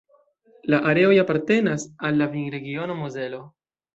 La areoj apartenas al la vinregiono Mozelo.